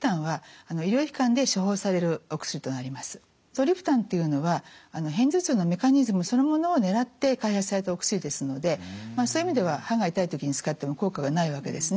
トリプタンっていうのは片頭痛のメカニズムそのものを狙って開発されたお薬ですのでそういう意味では歯が痛い時に使っても効果がないわけですね。